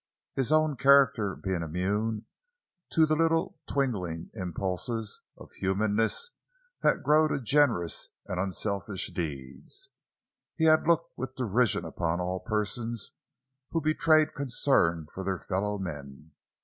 His own character being immune to the little twinging impulses of humanness that grow to generous and unselfish deeds, he had looked with derision upon all persons who betrayed concern for their fellow men.